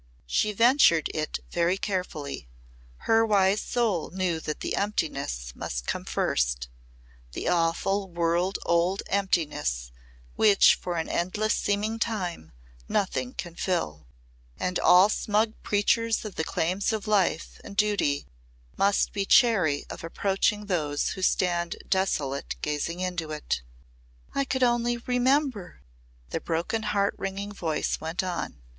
She ventured it very carefully. Her wise soul knew that the Emptiness must come first the awful world old Emptiness which for an endless seeming time nothing can fill And all smug preachers of the claims of life and duty must be chary of approaching those who stand desolate gazing into it. "I could only remember," the broken heart wringing voice went on.